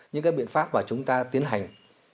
những cái miệng pháp mà chúng ta tiến hành